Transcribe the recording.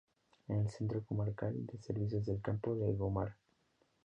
Es el centro comarcal de servicios del Campo de Gómara.